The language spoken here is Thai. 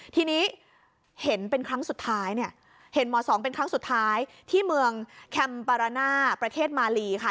ทีนี้เห็นเป็นครั้งสุดท้ายที่เมืองแคมปาราน่าประเทศมารีค่ะ